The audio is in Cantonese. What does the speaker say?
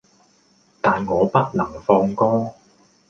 但我不能放歌